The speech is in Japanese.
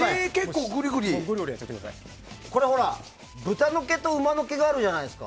ブタの毛と馬の毛があるじゃないですか。